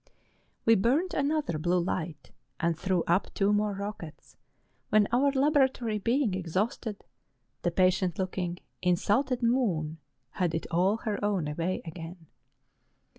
We burnt another blue light, and threw up two more rockets, when our laboratory being exhausted, the patient looking, insulted moon had it all her own way again.